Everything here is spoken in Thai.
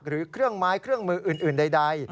เครื่องไม้เครื่องมืออื่นใด